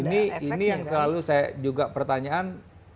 nah ini yang selalu saya juga pertanyaan